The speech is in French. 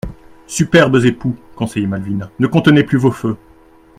«Superbes époux, conseillait Malvina, ne contenez plus vos feux.